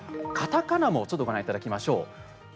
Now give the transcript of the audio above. カタカナもちょっとご覧いただきましょう。